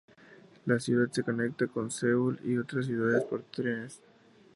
La ciudad se conecta con Seúl y otras ciudades por trenes.